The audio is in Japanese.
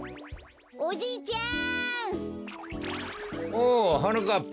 おおはなかっぱ。